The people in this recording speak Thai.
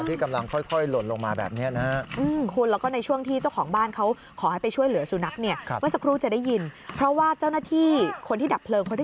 ที่กำลังค่อยหล่นลงมาแบบนี้นะฮะ